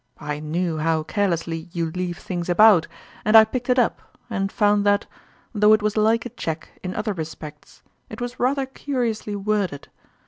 I knew how carelessly you leave things about, and I picked it up and found that, though it was like a cheque in other respects, it was Culminating Cheque. 131 rather curiously worded.